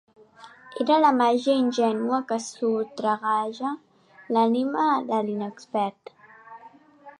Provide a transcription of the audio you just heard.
Era la màgia ingènua que sotragueja l'ànima de l'inexpert.